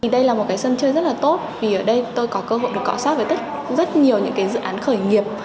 đây là một cái sân chơi rất là tốt vì ở đây tôi có cơ hội được cõi sát với rất nhiều những dự án khởi nghiệp